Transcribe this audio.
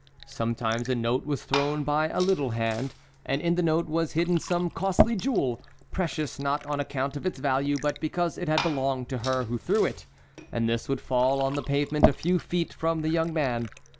Sometimes a note was thrown by a little hand, and in the note was hidden some costly jewel, precious not on account of its value, but because it had belonged to her who threw it; and this would fall on the pavement a few feet from the young man.